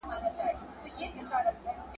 د باز له ځالې باز ولاړېږي ,